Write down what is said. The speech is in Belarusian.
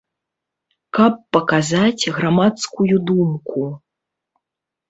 Каб паказаць грамадскую думку.